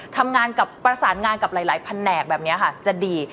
ทำงานกับประสานงานกับหลายแผนกแบบนี้ค่ะจะดี